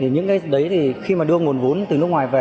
những cái đấy thì khi mà đưa nguồn vốn từ nước ngoài về